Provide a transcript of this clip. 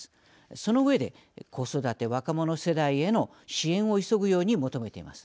その上で、子育て若者世代への支援を急ぐように求めています。